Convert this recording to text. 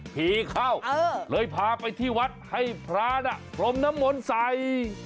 ผีเข้าเลยพาไปที่วัดให้พระน่ะพรมน้ำมนต์ใส่